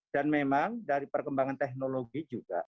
dan memang dari perkembangan teknologi juga